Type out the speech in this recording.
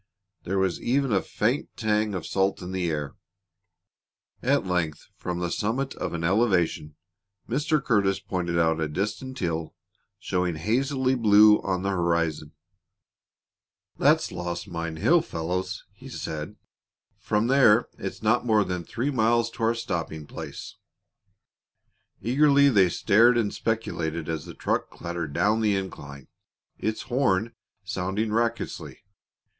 There was even a faint tang of salt in the air. At length, from the summit of an elevation, Mr. Curtis pointed out a distant hill showing hazily blue on the horizon. [Illustration: The car crashed into the weather worn railing of the bridge] "That's Lost Mine Hill, fellows!" he said. "From there, it's not more than three miles to our stopping place." Eagerly they stared and speculated as the truck clattered down the incline, its horn sounding raucously.